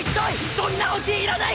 そんなオチいらないから！！